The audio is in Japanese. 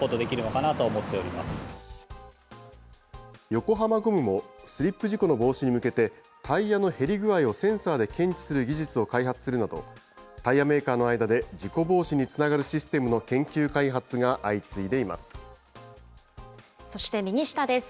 横浜ゴムもスリップ事故の防止に向けて、タイヤの減り具合をセンサーで検知する技術を開発するなど、タイヤメーカーの間で事故防止につながるシステムの研究開発が相次いそして右下です。